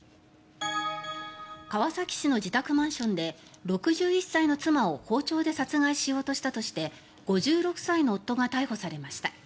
川崎市の自宅マンションで６１歳の妻を包丁で殺害しようとしたとして５６歳の夫が逮捕されました。